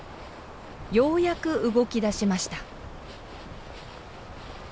ようやく動きだしました。